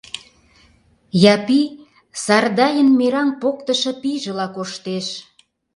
Япи Сардайын мераҥ поктышо пийжыла коштеш.